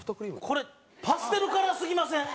これパステルカラーすぎません？